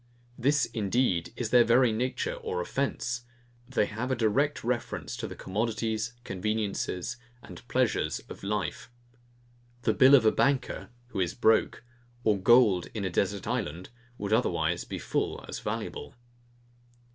This indeed is their very nature or offence: they have a direct reference to the commodities, conveniences, and pleasures of life. The bill of a banker, who is broke, or gold in a desert island, would otherwise be full as valuable.